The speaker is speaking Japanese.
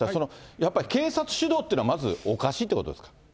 やっぱり警察主導というのは、まずおかしいってことですか？